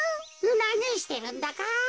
なにしてるんだか？